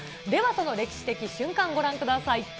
ではその歴史的瞬間、ご覧ください。